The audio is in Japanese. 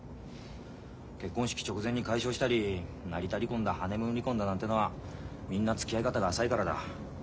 結婚式直前に解消したり成田離婚だハネムーン離婚だなんてのはみんなつきあい方が浅いからだ。